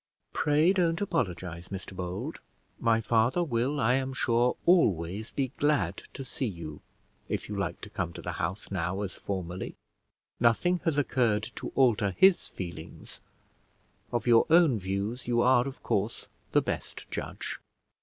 "Pray don't apologise, Mr Bold; my father will, I am sure, always be glad to see you, if you like to come to the house now as formerly; nothing has occurred to alter his feelings: of your own views you are, of course, the best judge."